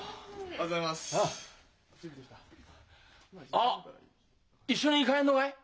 あっ一緒に帰んのがい？